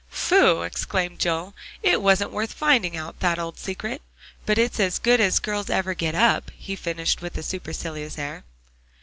"Phooh!" exclaimed Joel, "it wasn't worth finding out, that old secret. But it's as good as girls ever get up," he finished with a supercilious air.